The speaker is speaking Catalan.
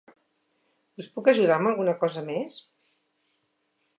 Us puc ajudar amb alguna cosa més?